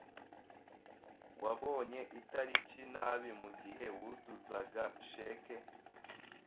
Wabonye itariki nabi mugihe wuzuzaga cheque.